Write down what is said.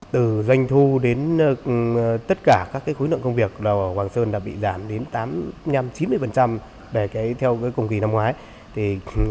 từ doanh thu đến tất cả các khối nợ công việc hoàng sơn đã bị giảm đến chín mươi theo cùng kỳ năm ngoái